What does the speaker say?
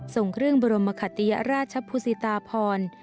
ส่งเครื่องบรมคติยราชภูสิตาพร